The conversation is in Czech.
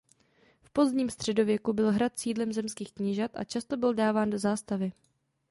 V pozdním středověku byl hrad sídlem zemských knížat a často byl dáván do zástavy.